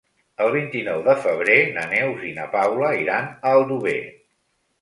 El vint-i-nou de febrer na Neus i na Paula iran a Aldover.